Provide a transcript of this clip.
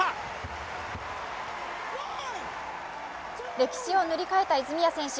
歴史を塗り替えた泉谷選手。